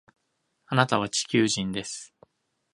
あなたは地球人です